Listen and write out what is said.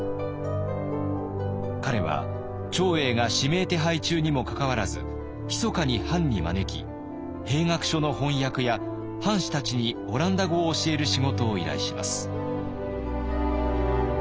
彼は長英が指名手配中にもかかわらずひそかに藩に招き兵学書の翻訳や藩士たちにオランダ語を教える仕事を依頼します。